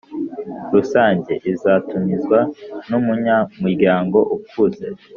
Rusange izatumizwa n Umunyamuryango ukuze